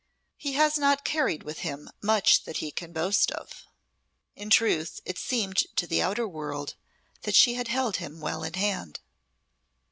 He has not carried with him much that he can boast of." In truth, it seemed to the outer world that she had held him well in hand.